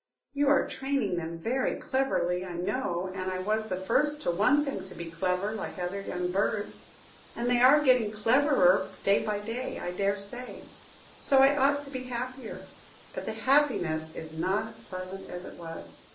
You are training them very cleverly, I know and I was the first to want them to be clever like other young birds, and they are getting cleverer day by day, I dare say, so I ought to be happier; but the happiness is not as pleasant as it was.